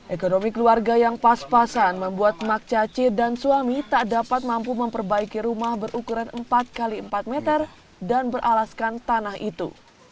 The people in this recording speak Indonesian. ekonomi keluarga yang pas pasan membuat mak caci dan suami tak dapat mampu memperbaiki rumah berukuran empat x empat meter dan beralaskan tanah itu